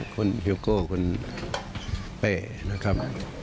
คนฮิวโก้คนเปะนะครับ